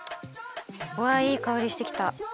うわいいかおりしてきた。